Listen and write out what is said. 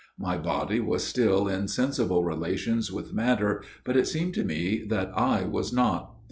My body was still in sensible relations with matter, but it seemed to me that I was not.